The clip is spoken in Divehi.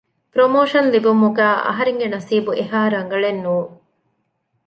ޕްރޮމޯޝަން ލިބުމުގައި އަހަރެންގެ ނަސީބު އެހާރަނގަޅެއް ނޫން